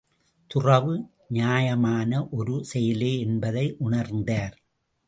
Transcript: துறவு நியாயமான ஒரு செயலே என்பதை உணர்ந்தார்.